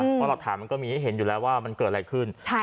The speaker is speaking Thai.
เพราะหลักฐานมันก็มีให้เห็นอยู่แล้วว่ามันเกิดอะไรขึ้น